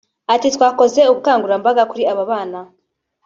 Ati “Twakoze ubukangurambaga kuri aba bana